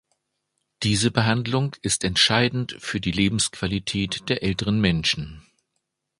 Diese Behandlung ist entscheidend für die Lebensqualität der älteren Menschen.